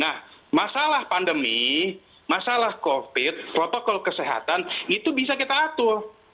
nah masalah pandemi masalah covid protokol kesehatan itu bisa kita atur